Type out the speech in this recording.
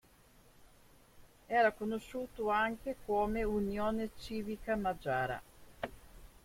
Era conosciuto anche come Unione Civica Magiara.